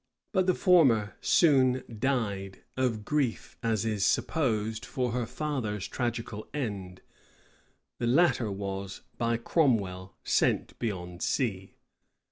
But the former soon died; of grief, as is supposed, for her father's tragical end: the latter was, by Cromwell, sent beyond sea.